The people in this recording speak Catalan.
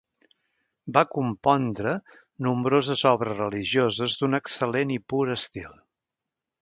Va compondre nombroses obres religioses d'un excel·lent i pur estil.